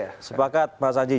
ya sepakat pak anji